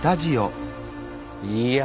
いや。